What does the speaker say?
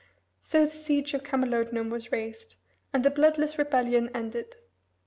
So the siege of Camalodunum was raised, and the bloodless rebellion ended.